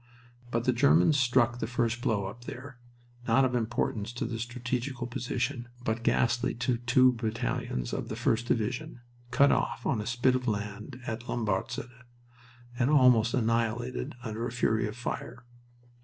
But the Germans struck the first blow up there, not of importance to the strategical position, but ghastly to two battalions of the 1st Division, cut off on a spit of land at Lombartzyde and almost annihilated under a fury of fire.